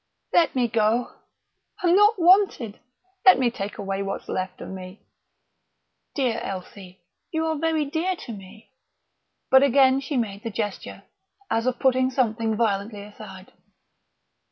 "Let me go I'm not wanted let me take away what's left of me " "Dear Elsie you are very dear to me " But again she made the gesture, as of putting something violently aside.